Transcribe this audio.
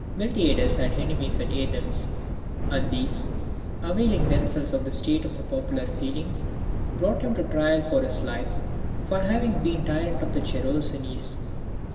Miltiades had enemies at Athens; and these, availing themselves of the state of popular feeling, brought him to trial for his life for having been tyrant of the Chersonese.